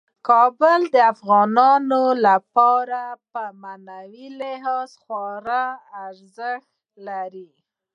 کابل د افغانانو لپاره په معنوي لحاظ خورا ارزښت لري.